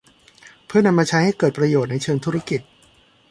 เพื่อนำมาใช้ให้เกิดประโยชน์ในเชิงธุรกิจ